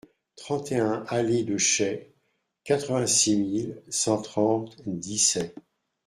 trente et un allée de Chaix, quatre-vingt-six mille cent trente Dissay